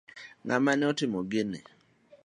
Ng'ama ne otimo gini?